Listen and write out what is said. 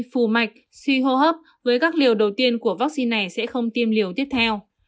phù mạch suy hô hấp với các liều đầu tiên của vaccine này sẽ không tiêm liều tiếp theo